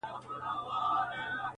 تاریخي ودانۍ ځانګړی هنر لري